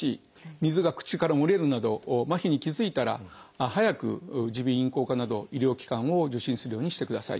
水が口から漏れるなど麻痺に気付いたら早く耳鼻咽喉科など医療機関を受診するようにしてください。